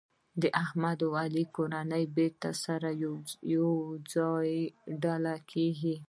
د احمد او علي کورنۍ بېرته سره یوه ډله کېږي.